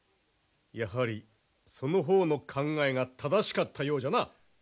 やはりその方の考えが正しかったようじゃな。